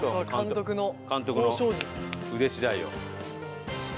監督の腕次第よ。